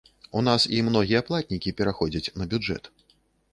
У нас і многія платнікі пераходзяць на бюджэт.